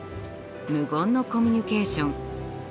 無言のコミュニケーション。